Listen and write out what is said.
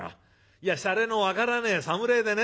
いやしゃれの分からねえ侍でね